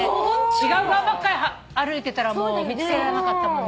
違う側ばっか歩いてたら見つけられなかったもんね。